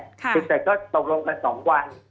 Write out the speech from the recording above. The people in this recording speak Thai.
แต่ก็ตรงรงค์กัน๒วัน